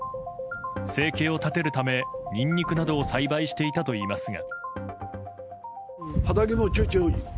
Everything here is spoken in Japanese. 生計を立てるためニンニクなどを栽培していたといいますが。